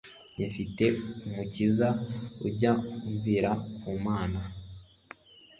jyemfite umukiza ujya umvira kumana